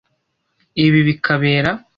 ibi bikabera